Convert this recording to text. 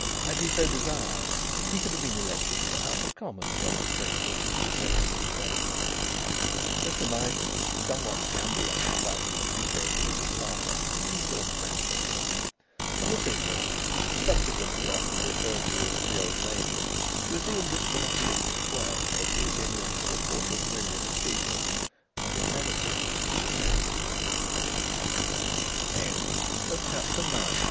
Had he so desired, he could have been elected to the House of Commons on the strength of his procession and fête. Mr Myson, somewhat scandalised by the exuberance of his partner, returned to Manchester. And the Signal, subsequently often referred to as "The Old Lady," resumed its monopolistic sway over the opinions of a quarter of a million of people, and has never since been attacked. CH